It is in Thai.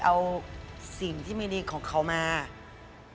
ไหนเล่าให้เราฟังสิ